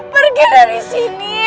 pergi dari sini